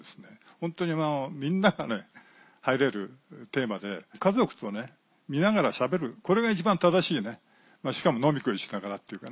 ホントにみんなが入れるテーマで家族と見ながらしゃべるこれが一番正しいしかも飲み食いしながらっていうかね